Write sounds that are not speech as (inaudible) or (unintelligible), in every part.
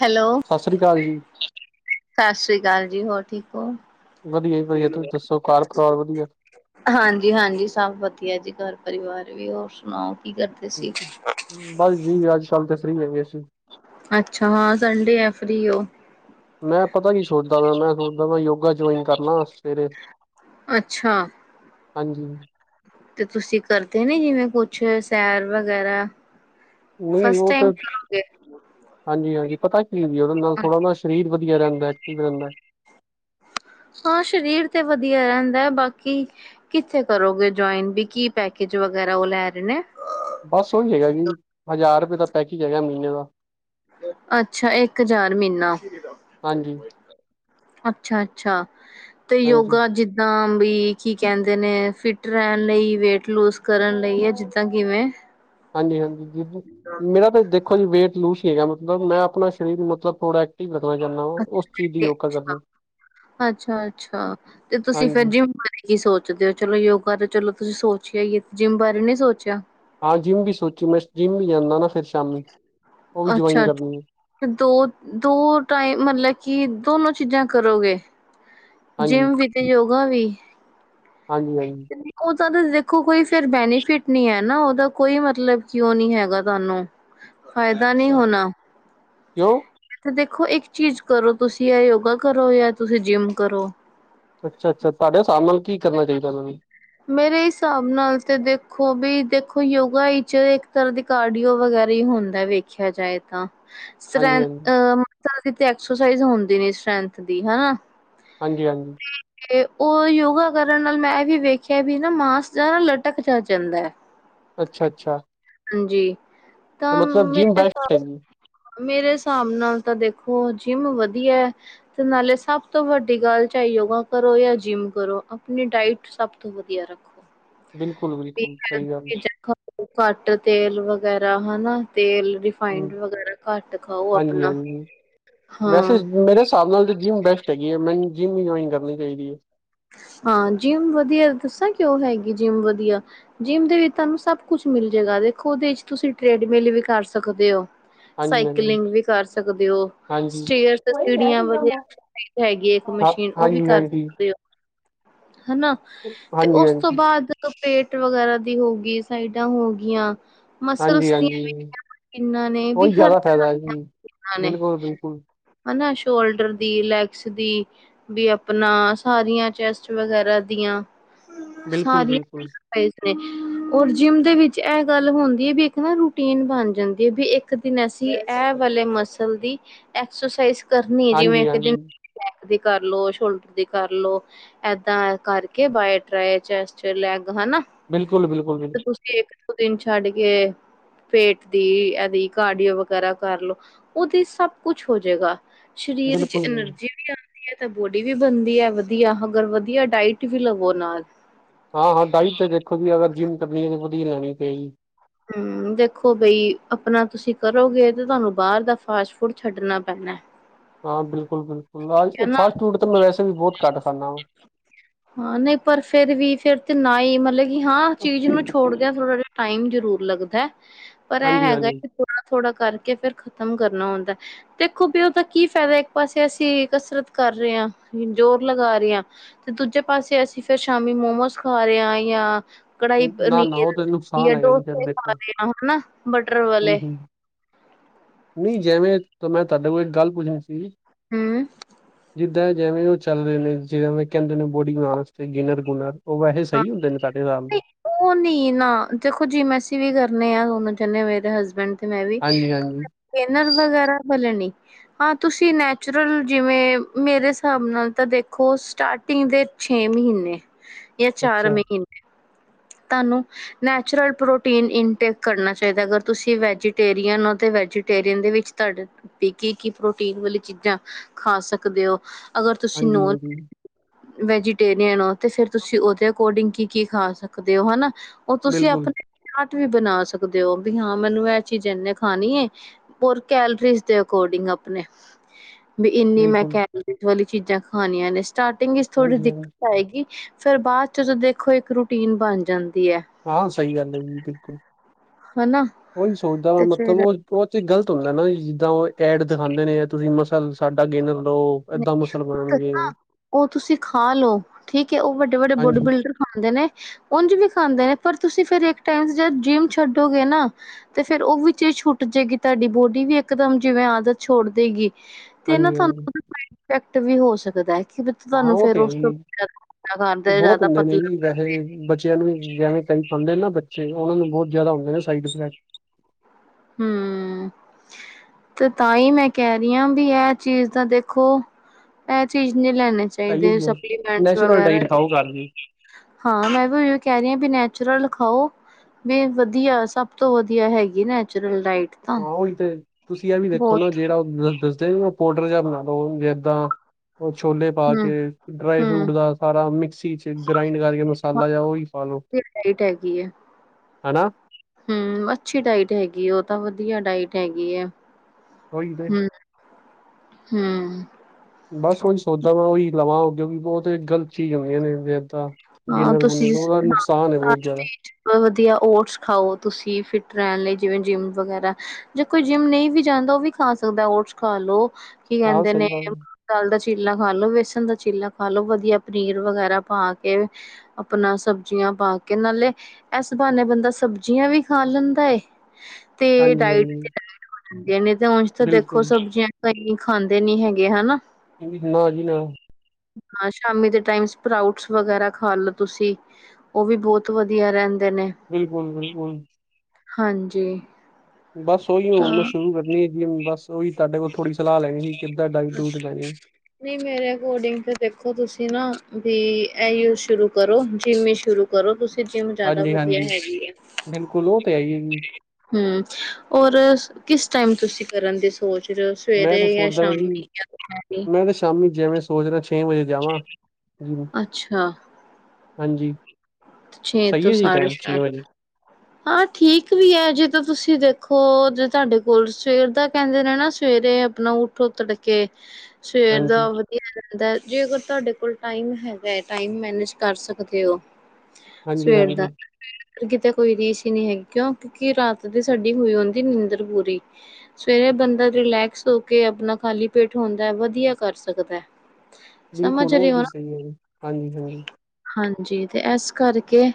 Hello ਸਤਿ ਸ੍ਰੀ ਅਕਾਲ ਜੀ, ਸਤਿ ਸ੍ਰੀ ਅਕਾਲ ਜੀ ਹੋਰ ਠੀਕ ਹੋ ਵਧੀਆ ਜੀ ਵਧੀਆ ਤੁਸੀਂ ਦੱਸੋ ਘਰ ਪਰਿਵਾਰ ਵਧੀਆ ਹਾਂਜੀ-ਹਾਂਜੀ ਸਭ ਵਧੀਆ ਜੀ ਘਰ ਪਰਿਵਾਰ ਵੀ ਹੋਰ ਸੁਣਾਓ ਕੀ ਕਰਦੇ ਸੀ ਬਸ ਜੀ ਅੱਜ ਸ਼ਾਮ ਤੇ ਫ੍ਰੀ ਹੈਗੇ ਅਸੀਂ ਅੱਛਾ ਹਾਂ ਸੰਡੇ ਹੈ ਫ੍ਰੀ ਹੋ ਮੈਂ ਪਤਾ ਕੀ ਸੋਚਦਾ ਵਾਂ ਮੈਂ ਸੋਚਦਾ ਵਾਂ ਯੋਗਾ ਜੁਆਇਨ ਕਰ ਲਾਂ ਮੇਰੇ ਅੱਛਾ। ਹਾਂਜੀ ਤੇ ਤੁਸੀਂ ਕਰਦੇ ਨੇ ਜਿਵੇਂ ਕੁਛ ਸੈਰ ਵਗੈਰਾ ਨਹੀਂ ਫਸਟ ਉਹ ਤੇ ਟਾਈਮ ਕਰੋਗੇ? ਹਾਂਜੀ-ਹਾਂਜੀ ਪਤਾ ਕੀ ਵੀ ਉਹਦੇ ਨਾਲ ਥੋੜਾ ਨਾ ਸਰੀਰ ਵਧੀਆ ਰਹਿੰਦੈ ਐਕਟਿਵ ਰਹਿੰਦੈ ਹਾਂ ਸਰੀਰ ਤੇ ਵਧੀਆ ਰਹਿੰਦੈ ਬਾਕੀ ਕਿੱਥੇ ਕਰੋਗੇ ਜੁਆਇਨ ਵੀ ਕੀ ਪੈਕੇਜ ਵਗੈਰਾ ਉਹ ਲੈ ਰਹੇ ਨੇ ਬਸ ਉਹੀ ਹੈਗਾ ਜੀ ਹਜ਼ਾਰ ਰੁਪਏ ਦਾ ਪੈਕੇਜ ਹੈਗੈ ਮਹੀਨੇ ਦਾ ਅੱਛਾ ਇੱਕ ਹਜ਼ਾਰ ਮਹੀਨਾ ਹਾਂਜੀ-ਹਾਂਜੀ। ਅੱਛਾ-ਅੱਛਾ ਤੇ ਯੋਗਾ ਚ ਵੀ ਕੀ ਕਹਿੰਦੇ ਨੇ ਫਿਟ ਰਹਿਣ ਲਈ ਵੇਟ ਲੂਸ ਕਰਨ ਲਈ ਏ ਜਿੱਦਾਂ ਕਿਵੇਂ ਹਾਂਜੀ-ਹਾਂਜੀ ਜੀ ਮੇਰਾ ਤਾਂ ਦੇਖੋ ਜੀ ਵੇਟ ਲੂਸ ਹੀ ਹੈਗਾ ਮਤਲਬ ਮੈਂ ਆਪਣਾ ਸਰੀਰ ਮਤਲਬ ਥੋੜ੍ਹਾ ਰਖਨਾ ਚਾਹਦਾ ਵਾ ਉਸ ਚੀਜ਼ ਦੀ ਯੋਗਾ ਕਰਨੀ ਅੱਛਾ-ਅੱਛਾ ਤੇ ਤੁਸੀਂ ਫੇਰ ਹਾਂਜੀ। ਜਿੰਮ ਬਾਰੇ- ਕੀ ਸੋਚਦੇ ਹੋ ਚਲੋ ਯੋਗਾ ਤੇ ਚਲੋ ਤੁਸੀਂ ਸੋਚਿਆ ਹੀ ਏ ਜਿੰਮ ਬਾਰੇ ਨੀ ਸੋਚਿਆ ਹਾਂ ਜਿੰਮ ਵੀ ਸੋਚੀ ਮੈਂ ਜਿੰਮ ਵੀ ਜਾਂਨਾ ਵਾ ਨਾ ਸ਼ਾਮੀ ਉਹ ਵੀ ਜੁਆਇਨ ਅੱਛਾ ਅੱ ਕਰਨੀ ਹੈ ਦੋ-ਦੋ ਟਾਈਮ ਮਤਲਬ ਕਿ ਦੋਨੋ ਚੀਜ਼ਾਂ ਕਰੋਗੇ ਹਾਂਜੀ ਜਿੰਮ ਵੀ ਤੇ ਯੋਗਾ ਵੀ ਹਾਂਜੀ-ਹਾਂਜੀ ਉਹ ਤਾਂ ਦੇਖੋ ਕੋਈ ਫਿਰ ਬੈਨੀਫਿਟ ਨੀ ਹੈ ਨਾ ਉਹਦਾ ਕੋਈ ਮਤਲਬ ਕਿ ਉਹ ਨੀ ਹੈਗਾ ਤੁਹਾਨੂੰ (inaudible) ਫ਼ਾਇਦਾ ਨਹੀਂ ਹੋਣਾ ਕਿਉਂ ਇੱਥੇ ਦੇਖੋ ਇੱਕ ਚੀਜ਼ ਕਰੋ ਤੁਸੀਂ ਯਾ ਯੋਗਾ ਕਰੋ ਯਾ ਤੁਸੀਂ ਜਿੰਮ ਕਰੋ ਅੱਛਾ-ਅੱਛਾ ਤੁਹਾਡੇ ਹਿਸਾਬ ਨਾਲ ਕੀ ਕਰਨਾ ਚਾਹੀਦੈ ਮੈਨੂ ਮੇਰੇ ਹਿਸਾਬ ਨਾਲ ਤੇ ਦੇਖੋ ਵੀ ਦੇਖੋ ਯੋਗਾ ਚ ਇੱਕ ਤਰ੍ਹਾਂ ਦੀ ਕਾਰਡੀਓ ਵਗੈਰਾ ਹੀ ਹੁੰਦੈ ਵੇਖਿਆ ਜਾਏ ਤਾਂ, ਸ ਹਾਂਜੀ ਹਾਂਜੀ ਐਕਸਰਸਾਈਜ਼ ਹੁੰਦੀ ਨੇ ਸ੍ਰੈਂਥ ਦੀ ਹਨਾ, ਹਾਂਜੀ ਹਾਂਜੀ, ਤੇ ਉਹ ਯੋਗਾ ਕਰਨ ਨਾਲ ਮੈਂ ਇਹ ਵੀ ਵੇਖਿਆ ਵੀ ਨਾ ਮਾਸ ਦਾ ਨਾ ਲਟਕ ਜਿਹਾ ਜਾਂਦੈ। ਅੱਛਾ ਅੱਛਾ, ਹਾਂਜੀ, ਤਾਂ ਮਤਲਬ ਜਿਮ ਮੇਰੇ ਬੈਸਟ ਏ ਮੇਰੇ ਹਿਸਾਬ ਨਾਲ ਤਾਂ ਦੇਖੋ ਜਿੰਮ ਵਧੀਐ। ਤੇ ਨਾਲੇ ਸਭ ਤੋਂ ਵੱਡੀ ਗੱਲ ਚਾਹੇ ਯੋ, ਗਾ ਕਰੋ ਜਾਂ ਜਿੰਮ ਕਰੋ ਆਪਣੀ ਡਾਇਟ ਸਭ ਤੋਂ ਵਧੀਆ। ਰੱਖੋੋ ਬਿਲਕੁਲ ਬਿਲਕੁਲ ਸਹੀ ਗੱਲ (unintelligible) ਘਟ ਤੇਲ ਵਗੈਰਾ ਹਨਾ ਤੇਲ, ਹਮ ਰਿਫਾਈਡ, ਵਗੈਰਾ ਘੱਟ ਖਾਔ ਹਾਂਜੀ ਅਪਣਾ ਹਾਂਜੀ ਵੈਸੇ ਹਾਂ। ਮੇਰੇ ਹਿਸਾਬ ਨਾਲ ਤਾਂ ਜਿੰਮ ਬੈਸਟ ਹੈਗੀ ਏ, ਮੈਨੂੰ ਜਿੰਮ ਈ ਜੁਆਇਨ ਕਰਨੀ ਚਾਹੀਦੀ ਏ- ਹਾਂ ਜਿੰਮ ਵਧੀਆ, ਦੱਸਾਂ ਕਿਉਂ ਹੈਗੀ ਜਿੰਮ ਵਧੀਆ ਜਿੰਮ ਦੇ ਵਿਚ ਤਾਨੂੰ ਸਭ ਕੁਛ ਮਿਲ ਜੇਗਾ ਦੇਖੋ ਔਦੇ ਚ ਤੁਸੀ ਟ੍ਰੇਡਮਿਲ ਵੀ ਕਰ ਸਕਦੇ ਔ। ਹਾਂਜੀ ਹਾਂਜੀ ਸਾਈਕਲਿੰਗ ਵੀ ਕਰ ਸਕਦੇ ਔ ਹਾਂਜੀ ਸਟੇਅਰਸ ਤੇ ਸਿੜੀਆਂ ਵਗ ਮੇ ਕ ਹੈਗੀ ਇੱਕ ਹਾਂ ਮਸ਼ੀਨ ਔ ਵੀ ਹਾਂਜੀ ਕਰ ਹਾਂਜੀ ਹੋ ਹਨਾ ਤੇ ਹਾਂਜੀ ਔਸ ਤੋਂ ਹਾਂਜੀ ਬਾਅਦ ਤੋ ਪੇਟ ਵਗੈਰਾ ਦੀ ਹੋ ਗੀ। ਸਾਈਡਾਂ ਹੋ ਗਿਆਂ। ਹਾਂਜੀ ਮਸਲਸ ਦੀਆਂ ਹਾਂਜੀ ਮਸ਼ੀਨਾ (unintelligible) ਨੇ ਵੀ ਉਹੀ ਹਰ ਜ਼ਿਆਦਾ ਤਰ੍ਹਾਂ ਫਾਇਦਾ ਹੈ ਦੀਆਂ ਜੀ ਮੀਨਾਂ (unintelligible) ਨੇ। ਬਿਲਕੁਲ ਬਿਲਕੁਲ ਹਨਾ ਸ਼ੋਲਡਰ ਦੀ ਲੈਗਸ ਦੀ, ਵੀ ਅਪਣਾ ਸਾਰੀਆਂ ਚੈਸਟ ਵਗੈਰਾ ਦੀਆਂ ਬਿਲਕੁਲ ਸਾਰੀਆਂ ਬਿਲਕੁਲ ਸਾ ਇਸ਼ ਨੇ ਔਰ ਜਿਮ ਦੇ ਵਿੱਚ ਐ ਗੱਲ ਹੋਂਦੀ ਏ ਵੀ ਇੱਕ ਨਾ ਰੂਟੀਨ ਬਣ ਜਾਂਦੀ ਏ ਬਿ ਇੱਕ ਇੱਕ ਦਿਨ ਅਸੀਂ ਐ ਵਲੇ ਮਸਲ ਦੀ ਐਕਸੋਸਾਈਜ਼ ਕਰਨੀ ਏ ਜਿਵੇਂ ਹਾਂਜੀ ਇੱਕ ਦਿਨ ਹਾਂਜੀ ਬੈਕ ਦੀ (unintelligible) ਕਰ ਲਓ ਸ਼ੋਲਡਰ ਦੀ, ਕਰਲੋ ਏਦਾਂ ਕਰਕੇ ਬਾਏ ਟਰਾਏ ਚੈਸ ਚ ਲੈਗ ਹਨਾ, ਬਿਲਕੁਲ -ਬਿਲਕੁਲ - ਤੇ ਤੁਸੀਂ ਇੱਕ ਦਿਨ ਛੱਡ ਕੇ- ਪੇਟ ਦੀ ਐ ਵੀ ਘਡੀਏ ਵਗੈਰਾ ਕਰਲੋ ਉਦੀ ਸਭ ਕੁਛ ਹੋਜੇਗਾ। ਸ਼ਰੀਰ ਚ ਬਿਲਕੁਲ ਜੀ ਐਨਰਜੀ ਵੀ ਆਂਦੀ ਐ ਤੇ ਬੋਡੀ ਵੀ ਬਣ ਧੀਯਾ ਵਧੀਯਾ ਅਗਰ ਵਧੀਆ ਡਾਇਟ ਵੀ ਲਵੋ ਨਾਲ ਹਾਂ -ਹਾਂ ਡਾਈਟ ਤੇ ਦੇਖੋ ਬੀ ਅਗਰ ਜਿੰਮ ਕਰਨੀ ਏ ਤੇ ਵਧੀਯਾ ਲੈਣੀ ਪਏਗੀ। ਹਮ ਦੇਖੋ ਬਈ ਅਪਣਾ ਤੁਸੀਂ ਕਰੋਗੇ ਤੇ ਤਾਨੂੰ ਬਾਰ ਦਾ ਫਾਸਟ ਫੂਡ ਛੱਡਣਾ ਪੈਨਾ। ਹਾਂ ਬਿਲਕੁਲ- ਬਿਲਕੁਲ ਆ ਹਨਾ ਫਾਸਟ ਫੂਡ ਤੇ ਮੈਂ ਵੈਸੇ ਵੀ ਬੋਤ ਘੱਟ ਖਾਂਦਾ ਵਾਂ ਹਾਂ ਨਈ ਪਰ ਫੇਰ ਵੀ ਫਰ ਤੇ ਨਾ ਈ ਮਤਲਬ ਕਿ ਹਾਂ ਚੀਜ਼ ਨੂੰ ਛੋੜਦਿਆਂ ਥੋੜ੍ਹਾ ਜਾ ਟਾਈਮ ਜਰੂਰ ਲੱਗਦੈ ਪਰ ਐ ਹਾਂਜੀ ਹੈਗਾ ਹਾਂਜੀ ਕਿ ਆ ਥੋੜਾ ਕਰਕੇ ਫੇਰ ਖ਼ਤਮ ਕਰਨਾ ਹੋਂਦਾ ਦੇਖੋ ਵੀ ਔਦਾ ਕੀ ਫੈਦਾ ਇੱਕ ਪਾਸੇ ਤੇ ਅਸੀਂ ਕਸਰਤ ਕਰੇ ਆਂ, ਜੋਰ ਲਗਾ ਰੇ ਆ ਤੇ ਦੂਜੇ ਪਾਸੇ ਅਸੀਂ ਫੇਰ ਸ਼ਾਮੀ ਮੋਮੋਸ ਖਾ ਰੇ ਆ ਯਾਂ ਕੜਾਹੀ ਨਾ ਨਾ ਪਨੀਰ ਉਹ ਤਾਂ ਨੁਕਸਾਨ ਜਾਂ (inaudible) ਹੈਗਾ ਜੀ ਫਿਰ ਡੋਸੇ ਖਾ ਦੇਖੋ ਰੇ ਆ ਹਨਾ ਬਟਰ ਵਾਲੇ ਨਈ ਜਿਵੇਂ ਮੈਂ ਤਾਡੇ ਕੋਲ ਇੱਕ ਗੱਲ ਪੁੱਛਣੀ ਸੀ। ਹਮ (unintelligible) ਜਿੱਦਾਂ ਜੈਵੇਂ ਔਹ ਚੱਲ ਰੇ ਨੇ ਜਿਵੇਂ ਐ ਕੈਂਦੇ ਨੇ ਬੋਡੀ ਬਨਾਨ ਵਾਸਤੇ ਗਿਨਰ -ਗੁਨਰ ਔ ਵੈਹੇ ਸ ਈ ਹੁੰਦੇ ਨੇ ਸਾਡੇ ਨਾਲ ਵੀ ਔ ਨੀ ਨਾ ਦੇਖੋ ਜਿਮੇ ਅਸੀ ਵੀ ਕਰਨੇ ਆ ਔਨਾ ਚੇ ਮੇਰੇ ਹਸਬੈਂਡ ਤੇ ਮੈਂ ਹਾਂਜੀ ਹਾਂਜੀ ਵੀਨਰ ਵਗੈਰਾ ਬਲਣੀ, (unintelligible) ਹਾਂ ਤੁਸੀਂ ਨੈਚੁਰਲ ਜਿਵੇਂ ਮੇਰੇ ਹਿਸਾਬ ਨਾਲ ਤਾਂ ਦੇਖੋ ਸਟਾਰਟ, ਟੀਂਗ ਦੇ ਛੇ ਮਹੀਨੇ (inaudible) ਯਾ ਚਾਰ ਮਹੀਨੇ ਤਾਨੂੰ ਨੈਚੁਰਲ ਪ੍ਰੋਟੀਨ ਇਨਟੇਕ ਕਰਨਾ ਚਾਈਦਾ ਅਗਰ ਤੁਸੀਂ ਵੈਜੀਟੇਰੀਅਨ ਹੋ ਤੇ ਵੈਜੀ ਟੇਰਿਂਅਨ ਦੇ ਵਿੱਚ ਤਾਡੇ ਤੇ ਕਿ -ਕੀ ਪ੍ਰੋਟੀਨ ਵਾਲੀ ਚੀਜ਼ਾਂ ਹ ਖਾ ਸਕਦੇ ਔ ਹ ਅਗਰ ਤੁਸੀਂ ਹਾਂਜੀ ਨੋਨ ਹਾਂਜੀ (unintelligible) ਵੈਜੀਟੇਰੀਅਨ ਹੋ ਤੇ ਫੇਰ ਤੁਸੀਂ ਔਦੇ ਅਕੋਰਡਿੰਗ ਕੀ- ਕੀ ਖਾ ਸਕਦੇ ਔ ਰਖਦੇ ਹੋ ਹਨਾ, ਉਹ ਤੁਸੀਂ ਬਿਲਕੁਲ ਆਪਣੇ। ਚਾਹ ਚੂਹ ਵੀ ਬਣਾ ਸਕਦੇ ਹੋ ਵੀ ਹਾਂ ਮੈਨੂੰ ਇਹ ਚੀਜ਼ ਇਹਨੇ ਖਾਣੀ। ਹੋਰ ਕੈਲਰੀਜ਼ ਦੇ ਅਕੋਰਡਿੰਗ ਆਪਣੇ। ਵੀ ਇੰਨੀ ਮੈ ਬਿਲਕੁਲ ਕੈਲੋਰੀ ਵਾਲੀ ਚੀਜ਼ਾਂ ਖਾਣੀਆਂ ਨੇ ਸਟਾਰਟਿੰਗ ਵਿਚ ਥੋੜੀ ਹਾਂਜੀ ਦਿੱਕਤ। ਹਾਂਜੀ ਆਏਗੀ ਫੇਰ ਬਾਦ ਚ ਦੇਖੋ ਇੱਕ ਰੂਟੀਨ ਬਣ ਜਾਂਦੀ ਹੈ। ਹਾਂ ਸਹੀ ਗੱਲ ਹੈ ਜੀ ਬਿਲਕੁਲ ਹਨਾ ਉਹਹੀ ਸੋਚਦਾ ਵਾ ਤੇ ਮਤਲਬ ਫਿਰ ਉਹ। ਉਹ ਚ ਗ਼ਲਤ ਹੁੰਦਾ ਨਾ ਜਿੱਦਾਂ ਉਹ ਐਡ ਦਿਖਾਦੇ ਨੇ, ਤੁਸੀਂ ਮਸਲ ਸਾਡਾ ਗਿਨਰ ਲਓ। ਏਦਾਂ ਮਸਲ ਬਣਨਗੇ ਉਹ ਤੁਸੀਂ ਖਾ ਲਓ ਠੀਕ ਹੈ, ਉਹ ਵੱਡੇ ਵੱਡੇ ਬੋਡੀ ਹਾਂਜੀ ਬਿਲਡਰ। ਖਾਂਦੇ ਨੇ ਉਝ ਵੀ ਖਾਂਦੇ ਨੇ ਪਰ ਤੁਸੀਂ ਫੇਰ ਇੱਕ ਟਾਈਮ ਜ ਜਿੰਮ ਛੱਡੋਗੇ ਨਾ। ਤੇ ਫੇਰ ਉਹ ਵਿ ਚੇ ਛੁੱਟ ਜੇਗੀ ਤੁਹਾਡੀ ਬੋਡੀ ਵੀ ਇਕ ਦਮ ਜਿਵੇਂ ਆਦਤ ਛੋੜ ਦੇਗੀ। ਤੇ ਨਾ ਹਾਂਜੀ ਤੁਹਾਨੂੰ ਹਾਂਜੀ ਉਹਦਾ ਸਾਈਡ ਇਫੈਕਟ ਵੀ ਹੋ ਸਕਦਾ ਹੈ ਕਿ। ਹਾਂ ਤੁਹਾਨੂੰ ਉਹ ਫੇਰ ਤੇ ਹੈ ਉਸ ਤੋਂ ਹੀ ਬਾਦ ਕਰਦਾ ਬਹੁਤ ਜ਼ਿਆਦਾ ਹੁੰਦੇ ਨੇ ਪਤਲਾ। ਜੀ ਵੈਸੇ ਬੱਚਿਆਂ ਨੂੰ ਵੀ ਜਿਵੇਂ ਕਈ ਖਾਂਦੇ ਨੇ ਨਾ ਬੱਚੇ ਉਹਨਾਂ ਨੂੰ ਬੋਤ ਜਿਆਦਾ ਹੁੰਦੇ ਨੇ ਸਾਈਡ ਇਫੈਕਟ। ਹਮ। ਤੇ ਤਾਂ ਹੀ ਮੈਂ ਕੈ ਰਹੀ ਹਾਂ ਵੀ ਇਹ ਚੀਜ਼ ਤਾਂ ਦੇਖੋ। ਐਹ ਚੀਜ਼ ਨਹੀਂ ਲੈਣੇ ਚਾਈਦੇ ਤਾਂਹੀਓ ਸਪਲੀਮੈਂਟਸ ਨੈਚੁਰਲ ਵਗੈਰਾ ਡਾਇਟ ਜੇ। ਖਾਓ ਘਰ ਦੀ ਹਾਂ ਮੈਂ ਵੀ ਓਈ ਓ ਕੈ ਰਹੀ ਹਾਂ ਵੀ ਨੈਚੁਰਲ ਖਾਓ। ਵੀ ਵਧੀਆ ਸਭ ਤੋਂ ਵਧੀਆ ਹੈਗੀ ਨੈਚੁਰਲ ਡਾਇਟ। ਤਾਂ ਹਾਂ ਉਹੀ ਤੇ ਤੁਸੀਂ ਇਹ ਵੀ ਦੇੇਖੋ ਨਾ, ਬਹੁਤ ਜੇੜਾ ਉਹ ਦੱਸਦੇ ਪੋਡਰ ਜਿਹਾ ਬਣਾ ਲਓ ਇਦਾਂ। ਉਹ ਛੋਲੇ ਪਾ ਕੇ ਹੂੰ ਡਰਾਈ ਹੂੰ ਫਰੂਟ ਦਾ ਸਾਰਾ ਮਿਕਸੀ ਚ ਗ੍ਰਾਇੰਡ ਕਰਕੇ। ਮਸਾਲਾ ਜਿਹਾ ਉਹੀ ਖਾਲੋ। ਫਿਰ ਡਾਇਟ ਹੈਗੀ। ਹਨਾ। ਹਮ ਅੱਛੀ ਡਾਇਟ ਹੈਗੀ ਉਹ ਤਾਂ ਵਧੀਆ ਡਾਇਟ ਹੈਗੀ ਹੈ। ਉਹੀ ਤੇ ਹਮ ਹਮ। (inaudible) ਬਸ ਕੁਝ ਸੋਚਦਾ ਮੈਂ ਉਹੀ ਲਵਾਂ ਅੱਗੇ ਵੀ ਬੋਤ ਗਲਤ ਚੀਜ਼ ਆਂਦੀਆਂ ਨੇ ਇਦਾਂ। ਹਾਂ ਗਿਨਰ ਤੁਸੀਂ ਬੁਨਰ ਉਹਦਾ ਨੁਕਸਾਨ ਹੈ ਹਾਂ ਬੋਤ ਜ਼ਿਆਦਾ‌। ਵਧੀਆ ਓਟਸ ਖਾਓ ਤੁਸੀਂ ਫਿਟ ਰੈਣ ਲਈ ਜਿਵੇਂ ਜਿੰਮ ਵਗੈਰਾ। ਜੇ ਕੋਈ ਜਿੰਮ ਨਹੀਂ ਵੀ ਜਾਂਦਾ ਉਹ ਵੀ ਖਾ ਸਕਦਾ ਓਟਸ ਖਾ ਲਓ। ਕੀ ਹਾਂ ਕਹਿੰਦੇ ਸਹੀ ਨੇ ਗੱਲ ਹੈ। ਮਾਹ ਦਾਲ ਦਾ ਚੀਲਾ ਖਾ ਲੋ ਬੇਸਣ ਦਾ ਚੀਲਾ ਖਾ ਲੋ ਵਧੀਆ ਪਨੀਰ ਵਗੈਰਾ ਪਾ ਕੇ। ਕੇ ਆਪਣਾ ਸਬਜ਼ੀਆਂ ਪਾ ਕੇ ਨਾਲੇ। ਇਸ ਬਹਾਨੇ ਬੰਦਾ ਸਬਜ਼ੀਆਂ ਵੀ ਖਾ ਲੈਂਦਾ ਏ। ਤੇ ਹਾਂਜੀ ਡਾਈਟ ਦੀ ਹਾਂਜੀ ਡਾਇਟ ਹੋ ਜਾਂਦੀ ਨਹੀਂ ਤਾਂ ਉਂਝ ਤਾਂ ਦੇਖੋ ਬਿਲਕੁਲ ਸਬਜ਼ੀਆਂ। ਕਈ ਖਾਂਦੇ ਨੀ ਹੈਗੇ ਹਨਾ। ਨਾ ਜੀ ਨਾ। ਹਾਂ ਸ਼ਾਮੀ ਦੇ ਟਾਈਮ ਸਪਰਾਊਟ। ਵਗੈਰਾ ਖਾ ਲੋੋ ਤੁਸੀਂ ਉਹ ਵੀ ਬੋਤ ਵਧੀਆ ਰਹਿੰਦੇ ਨੇ। ਬਿਲਕੁਲ ਬਿਲਕੁਲ। ਹਾਂਜੀ। ਬਸ ਉਹੀ ਹੁਣ ਤਾਂ ਮੈਂ ਸ਼ੁਰੂ ਕਰਨੀ ਹੈ, ਜੀ ਬਸ ਉਹੀ ਤੁਹਾਡੇ ਕੋਲ ਥੋੜ੍ਹੀ ਸਲਾਹ ਲੈਣੀ ਸੀ। ਕਿੱਦਾਂ ਡਾਈਟ ਡੂਟ ਲੈਣੀ। ਨਹੀਂ ਮੇਰੇ ਅਕੋਰਡਿੰਗ ਤੇ ਦੇਖੋ, ਤੁਸੀਂ ਨਾ ਵੀ ਇਹੀ ਹੋ ਸ਼ੁਰੂ ਕਰੋ ਜਿਮ ਹੀ ਸ਼ੁਰੂ। ਕਰੋ ਤੁਸੀਂ ਜਿੰਮ ਜਿਆਦਾ ਹਾਂਜੀ ਵਧੀਆ ਹਾਂਜੀ ਹੈਗੀ ਆ। ਬਿਲਕੁਲ ਉਹ ਤੇ ਹੈ ਹੀ ਹੈ ਜੀ ਹਮ ਔਰ ਕਿਸ ਟਾਈਮ ਤੁਸੀਂ ਕਰਨ ਦੀ ਸੋਚ? ਫਿਰ ਸਵੇਰੇ ਜਾਂ ਸ਼ਾਮੀ ਜਾਂ ਦੁਪੈਹਰੇ। ਮੈ ਸ਼ਾਮੀ ਜਿਵੇਂ ਸੋਚਦਾ ਛੇ ਵਜੇ ਜਾਵਾਂ ਜਿੰਮ ਅੱਛਾ ਹਾਂਜੀ। ਛੇ ਸਈ ਤੋਂ ਐ ਜੀ ਸਾਢੇ ਟਾਈਮ ਛੇ ਸੱਤ ਵਜੇ? ਹਾਂ ਠੀਕ ਵੀ ਐ, ਜੇ ਤਾਂ ਤੁਸੀਂ ਦੇਖੋ ਜੇ ਤੁਹਾਡੇ ਕੋਲ ਸਵੇਰ ਦਾ ਕਹਿੰਦੇ ਰਹਿਨਾ ਸਵੇਰੇ। ਆਪਣਾ ਊਠੋ ਤੜਕੇ, ਸਵੇਰ ਦਾ ਹਾਂਜੀ ਜਾਂਦਾ ਜੇ ਅਗਰ ਤੁਹਾਡੇ ਕੋਲ ਟਾਈਮ ਹੈਗਾ ਐ, ਟਾਈਮ ਮੈਨੇਜ ਕਰ ਸਕਦੇ ਔ। ਹਾਂਜੀ ਸਵੇਰ ਦਾ ਹਾਂਜੀ ਕਿਤੇ ਕੋਈ ਰੀਸ਼ ਹੀ ਨੀ ਹੈਗੀ ਕਿਉਂ ਕਿਉਂਕਿ ਰਾਤ ਦੀ ਸਾਡੀ ਹੋਈ ਹੁੰਦੀ ਨੀਂਦਰ ਪੂਰੀ ਸਵੇਰੇ ਬੰਦਾ ਰਿਲੈਕਸ ਹੋ ਕੇ ਆਪਣਾ ਖਾਲੀ ਪੇਟ ਹੁੰਦਾ ਵਧੀਆ ਕਰ ਸਕਦਾ। ਸਮਝ ਬਿਲਕੁਲ ਰਹੇ ਹੋ ਜੀ ਸਈ ਐ ਜੀ ਹਾਂਜੀ ਹਾਂ ਹਾਂਜੀ ਤੇ ਇਸ ਕਰਕੇ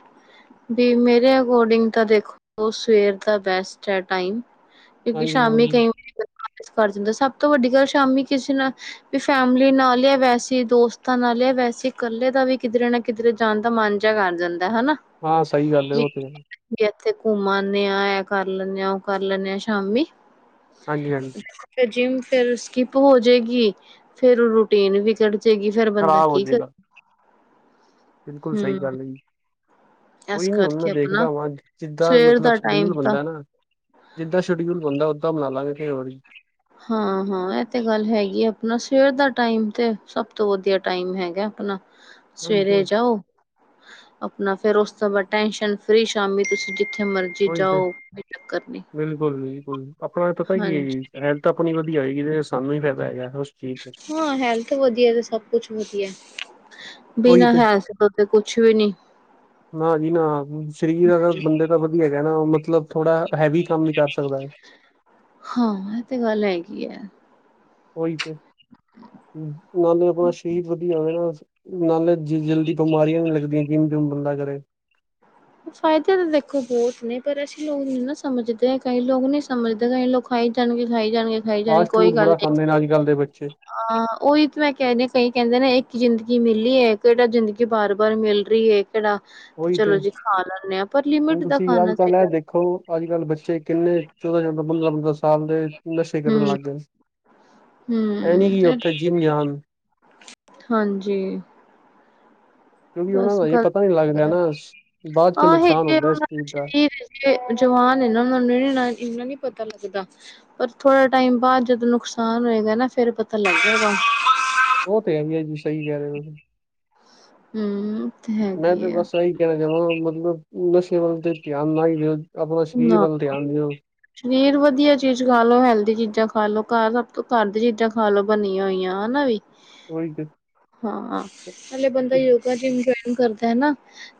ਵੀ ਮੇਰੇ ਅਕੋਰਡਿੰਗ ਤਾਂ ਦੇਖੋ, ਸਵੇਰ ਦਾ ਬੈਸਟ ਐ ਟਾਈਮ ਕਿਉਂਕਿ ਹਾਂਜੀ ਸ਼ਾਮੀ ਹਾਂਜੀ ਕਈ ਵਾਰੀ (unintelligible) ਕਰ ਜਾਦਾ ਸਭ ਤੋਂ ਵੱਡੀ ਗੱਲ ਸ਼ਾਮੀ ਕਿਸੇ ਨਾ ਵੀ ਫੈਮਲੀ ਨਾਲ ਆ ਵੈਸੇ ਦੋਸਤਾਂ ਨਾਲ ਆ ਵੈਸੇ ਇਕੱਲੇ ਦਾ ਵੀ ਕਿਧਰੇ ਨਾ ਕਿਧਰੇ ਜਾਣ ਦਾ ਮਨ ਵਧੀਆ ਕਰ ਜਾਂਦਾ ਹਨਾ ਹਾਂ ਸਈ ਗੱਲ ਐ ਵੀ ਉਹ ਤੇ ਵੀ ਇੱਥੇ ਘੁੰਮਾਦੇ ਆ ਐ ਕਰ ਲੈਂਨੇ ਆ ਉਹ ਕਰ ਲੈਂਨੇ ਆ ਸ਼ਾਮੀ ਹਾਂਜੀ, ਹਾਂਜੀ। ਫੇਰ ਜਿਮ ਫੇਰ ਸਕਿਪ ਹੋਜੇਏਗੀ, ਫੇਰ ਰੂਟੀਨ ਵੀ ਕੱਢ ਜੇ ਗੀ ਫੇਰ ਬੰਦਾ ਖ਼ਰਾਬ ਹੋ ਕੀ ਕਰ ਜਾਏਗਾ ਬਿਲਕੁਲ ਸਈ ਹਮ ਗੱਲ ਐ ਜੀ। ਇਸ ਕੋਈ ਨੀ ਹੁਣ ਮੈਂ ਕਰਕੇ ਆਪਣਾ ਦੇਖਦਾ ਵਾਂ, ਜਿੱਦਾਂ ਸਵੇਰ ਮਤਲਬ ਦਾ ਟਾਈਮ ਸ਼ਡਿਊਲ ਤਾਂ ਬਣਦਾ ਨਾ ਜਿੱਦਾਂ ਸ਼ਡਿਊਲ ਬਣਦਾ ਓਦਾਂ ਬਣਾ ਲਵਗੇ ਕਈ ਹੋਰ ਜ ਹਾਂ-ਹਾਂ ਇਹ ਤੇ ਗੱਲ ਹੈਗੀ ਐ ਆਪਣਾ ਸਵੇਰ ਦਾ ਟਾਈਮ ਤੇ ਸਭ ਤੋਂ ਵਧੀਆ ਟਾਈਮ ਹੈਗਾ ਆਪਣਾ (inaudible) ਸਵੇਰੇ ਜਾਓ ਆਪਣਾ ਫੇਰ ਉਸ ਤੋਂ ਬਾਅਦ ਟੈਨਸ਼ਨ ਫ੍ਰੀ ਸ਼ਾਮੀ ਤੁਸੀਂ ਜਿੱਥੇ ਮਰਜ਼ੀ ਉਹੀ ਤੇ, ਜਾਓ ਕੋਈ ਚੱਕਰ ਨੀ ਬਿਲਕੁਲ-ਬਿਲਕੁਲ ਆਪਣਾ ਪਤਾ ਕੀ ਐ ਹਾਂਜੀ ਜੀ। ਤਾਂ ਆਪਣੀ ਵਧੀਆ ਹੋਏਗੀ ਤੇ ਸਾਨੂੰ ਹੀ ਫਾਇਦਾ ਹੈਗਾ ਉਸ ਚੀਜ਼ ਦਾ ਹਾਂ ਹੈਲਥ ਵਧੀਆ ਤੇ ਸਭ ਕੁਛ ਵਧੀਆ ਉਹੀ ਬਿਨਾਂ ਤੇ ਹੈਲਥ ਤੋਂ ਤੇ ਕੁਛ ਵੀ ਨੀ ਨਾ ਜੀ ਨਾ ਸਰੀਰ ਅਗਰ ਬੰਦੇ ਤਾਂ ਵਧੀਆ ਹੈਗਾ ਨਾ ਮਤਲਬ ਥੋੜਾ ਹੈਵੀ ਕੰਮ ਨੀ ਕਰ ਸਕਦਾ। ਹਾਂ ਇਹ ਤੇ ਗੱਲ ਹੈਗੀ ਐ। ਉਹੀ ਤੇ, ਨਾਲੇ ਆਪਣਾ ਸਰੀਰ ਵਧੀਆ ਹੋਵੇ ਨਾਲੇ ਜੀ ਜਲਦੀ ਬਿਮਾਰੀਆਂ ਨੀ ਲੱਗਦੀਆਂ ਜਿੰਮ ਜੁਮ ਬੰਦਾ ਕਰੇ ਫਾਇਦੇ ਤਾਂ ਦੇਖੋ ਬਹੁਤ ਨੇ, ਪਰ ਅਸੀਂ ਲੋਕ ਨੀ ਨਾ ਸਮਝਦੇ ਕਈ ਲੋਕ ਨੀ ਸਮਝਦੇ ਕਈ ਲੋਕ ਖਾਈ ਜਾਣਗੇ, ਖਾਈ ਜਾਣਗੇ। ਖਾਈ ਜਾਣਗੇ ਫਾਸਟ ਕੋਈ ਫੂਡ ਗੱਲ ਬੜਾ ਨੀ ਖਾਂਦੇ ਅੱਜ ਕੱਲ ਦੇ ਬੱਚੇ ਹਾਂ ਉਹੀ ਤੇ ਮੈਂ ਕਹਿੰਦੀ ਪਈ, ਕਹਿੰਦੇ ਨੇ ਇੱਕ ਜ਼ਿੰਦਗੀ ਮਿਲੀ ਐ ਕਿ ਇਹੜਾ ਜ਼ਿੰਦਗੀ ਬਾਰ ਬਾਰ ਮਿਲ ਰੀ ਐ।। ਕਿਹੜਾ ਤੇ ਚਲੋ ਜੀ ਖਾ ਲੈਂਨੇ ਆ ਪਰ ਹੁਣ ਲਿਮਿਟ ਦਾ ਤੁਸੀਂ ਅੱਜ ਖਾਣਾ ਕੱਲ੍ਹ ਇਹ ਸੀਗਾ। ਦੇਖੋ ਅੱਜ-ਕੱਲ੍ਹ ਬੱਚੇ ਕਿੰਨੇ (unintelligible) ਸਾਲ ਦੇ ਨਸ਼ੇ ਹਮ ਕਰਨ ਲੱਗ ਗਏ, ਇਹ ਨੀ ਕਿ ਉੱਥੇ ਜਿਮ ਜਾਨ ਹਾਂਜੀ। ਕਿਉਂਕਿ ਉਹਨਾਂ ਬਸ ਦਾ ਇਹ ਪਤਾ ਨੀ ਲੱਗ ਰਿਹਾ ਨਾ ਬਾਅਦ ਚ ਨੁਕਸਾਨ ਹੁੰਦਾ ਇਸ ਚੀਜ਼ ਦਾ (unintelligible) ਜਵਾਨ ਇਹ ਨੂੰ ਇਹਨਾ ਨੀ ਪਤਾ ਲੱਗਦਾ। ਪਰ ਥੋੜਾ ਟਾਈਮ ਬਾਦ ਜਦੋਂ ਨੁਕਸਾਨ ਹੋਏਗਾ ਨਾ, ਫੇਰ ਪਤਾ ਲੱਗ ਜਾਏਗਾ। ਉਹ ਤੇ ਹੈਗੀ ਐ ਜੀ ਸਈ ਕਹਿ ਰਹੇ ਹੋ ਤੁਸੀਂ ਹੂੰ, ਤੇ ਮੈਂ ਤੇ ਹੈਗੀ ਆ ਬਸ ਐਈ ਕੈਣਾ ਚਾਹਵਾਂ ਮਤਲਬ ਨਸ਼ੇ ਵੱਲ ਤੇ ਧਿਆਨ ਨਾ ਈ ਦਿਓ ਆਪਣਾ ਸਰੀਰ ਨਾ ਵੱਲ ਧਿਆਨ ਦਿਓ। ਸਰੀਰ ਵਧੀਆ ਚੀਜ਼ ਖਾ ਲੋ ਹੈਲਦੀ ਚੀਜ਼ਾਂ ਖਾ ਲੋ ਘਰ ਸਭ ਤੋਂ ਘਰ ਦੀ ਚੀਜ਼ਾਂ ਖਾ ਲੋ ਬਨੀਆਂ ਹੋਈਆਂ ਹਨਾ ਵੀ। ਓਈ ਤੇ। ਹਾਂ, ਪੈਲੇ ਬੰਦਾ ਯੋਗਾ ਜਿਮ ਜੁਇਨ ਕਰਦਾ ਏ ਨਾ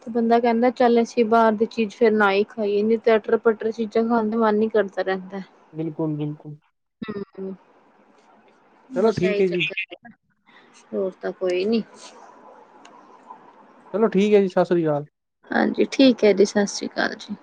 ਤੇ ਬੰਦਾ ਕੈਂਦਾ ਚੱਲ ਅਸੀਂ ਤੇ ਬਾਰ ਦੀ ਚੀਜ਼ ਫੇਰ ਨਾ ਈ ਖਾਈਏ ਨਈ ਤੇ ਅਟਰ ਪਟਰ ਚੀਜ਼ਾਂ ਖਾਣ ਦਾ ਮਨ ਈ ਕਰਦਾ ਰੈਂਦਾ। ਬਿਲਕੁਲ, ਬਿਲਕੁਲ। ਹੁੰ ਹੂ ਚਲੋ ਬਸ ਐ ਠੀਕ ਈ ਹੈ ਜੀ ਚੱਕਰ ਹੋਰ ਤਾ ਕੋਈ ਨੀ। ਚਲੋ ਠੀਕ ਐ ਜੀ ਸਾਸਰੀਕਾਲ। ਹਾਂਜੀ ਠੀਕ ਐ ਜੀ ਸਾਸਰੀਕਾਲ ਜੀ।